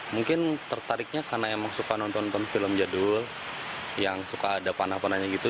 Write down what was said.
mungkin tertariknya karena emang suka nonton nonton film jadul yang suka ada panah panahnya gitu